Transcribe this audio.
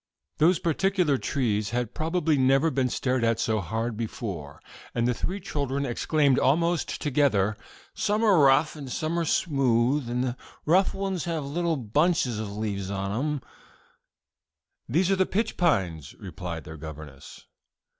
Those particular trees had probably never been stared at so hard before, and the three children exclaimed almost together: "Some are rough, and some are smooth, and the rough ones have little bunches of leaves on 'em." "These are the pitch pines," replied their governess.